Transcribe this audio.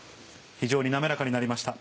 非常に滑らかになりました。